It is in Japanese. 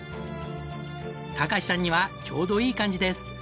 貴史さんにはちょうどいい感じです。